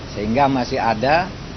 sehingga masih ada